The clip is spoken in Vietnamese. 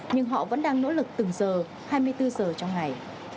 nhưng họ vẫn đang nỗ lực từng giờ hai mươi bốn giờ trong ngày